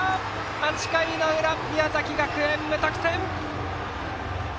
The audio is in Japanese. ８回の裏、宮崎学園は無得点！